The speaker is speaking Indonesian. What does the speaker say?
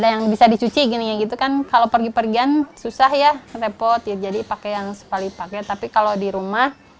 ada yang bisa dicuci gini ya gitu kan kalau pergi pergian susah ya repot ya jadi pakai yang sekali pakai tapi kalau di rumah